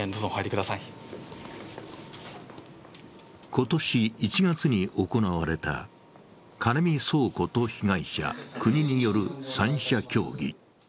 今年１月に行われたカネミ倉庫と被害者、国による三者協議。